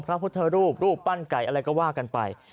พระพุทธรูปรูปปั้นไก่อะไรก็ว่ากันไป